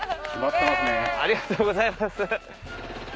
ありがとうございます。